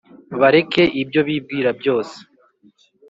Bareke ibyo bibwira byose